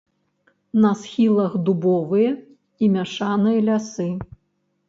На схілах дубовыя і мяшаныя лясы.